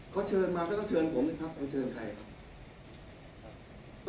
เขาเชิญมาก็ต้องเชิญผมเองครับไปเชิญใครครับ